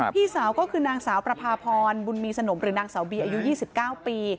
พี่สาวก็คือนางสาวประพาพรบุญมีสนมหรือนางสาวบีอายุ๒๙ปี